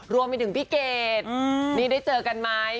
รวมไปถึงพี่เกดนี่ได้เจอกันไหม